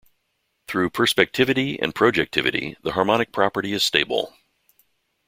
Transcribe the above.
Through perspectivity and projectivity, the harmonic property is stable.